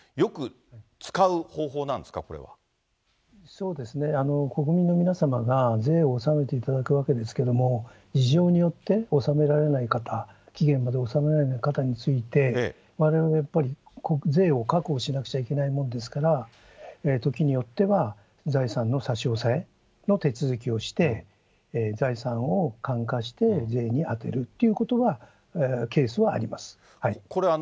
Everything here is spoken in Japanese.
そうですね、国民の皆様が税を納めていただくわけですけれども、事情によって納められない方、期限までに治められない方について、われわれやっぱり税を確保しなきゃならないもんですから、時によっては、財産の差し押さえの手続きをして、財産を換価して税に充てるっていうケースはあります。